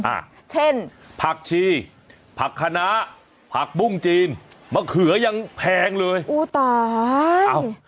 อ่ะเช่นผักชีผักคณะผักบุ้งจีนมะเขือยังแพงเลยอู้ต่อเอ้า